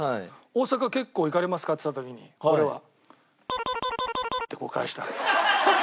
「大阪結構行かれますか？」っつった時に俺は。